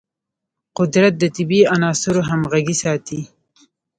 قدرت د طبیعي عناصرو همغږي ساتي.